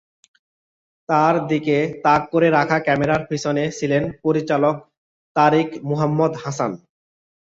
তাঁর দিকে তাক করে রাখা ক্যামেরার পেছনে ছিলেন পরিচালক তারিক মুহাম্মদ হাসান।